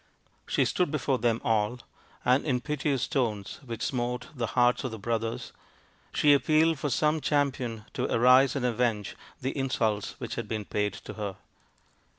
She stood before them all, and in piteous tones which smote the hearts of the brothers she appealed for some champion to arise and avenge the insults which had been paid to her.